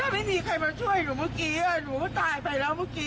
ไม่มีใครมาช่วยหนูเมื่อกี้หนูก็ตายไปแล้วเมื่อกี้